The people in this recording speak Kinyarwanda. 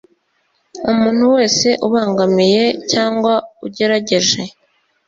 umuntu wese ubangamiye cyangwa ugerageje